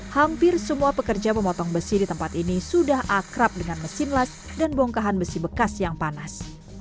hampir semua pekerja pemotong besi di tempat ini sudah akrab dengan mesin las dan bongkahan besi bekas yang panas